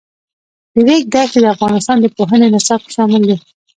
د ریګ دښتې د افغانستان د پوهنې نصاب کې شامل دي.